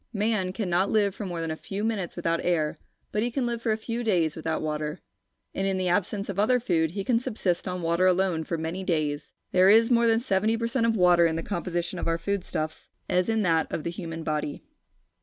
Man cannot live for more than a few minutes without air, but he can live for a few days without water. And in the absence of other food, he can subsist on water alone for many days. There is more than 70% of water in the composition of our food stuffs, as in that of the human body.